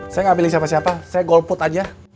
saya gak milih siapa siapa saya golput aja